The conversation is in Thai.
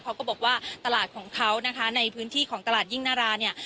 เขาก็บอกว่าตลาดของเขานะคะในพื้นที่ของตลาดยิ่งนาราเนี่ย